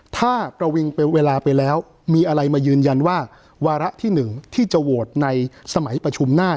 ถ้าประวิงเวลาไปแล้วมีอะไรมายืนยันว่าวาระที่๑ที่จะโหวตในสมัยประชุมหน้า